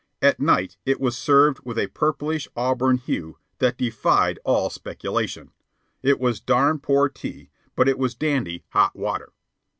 At night it was served with a purplish auburn hue that defied all speculation; it was darn poor tea, but it was dandy hot water.